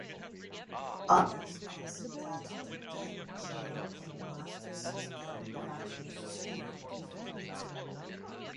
Others considered the Game Gear and Master System versions too difficult.